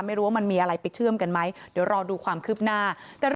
มันมีอะไรไปเชื่อมกันไหมเดี๋ยวรอดูความคืบหน้า